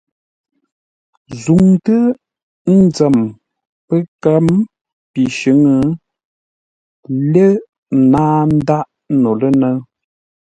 Zuŋtə́ nzəm pəkə̌m pi shʉ̌ŋ, lé ŋáa ndáʼ no lə́nə́ʉ.